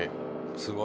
すごい。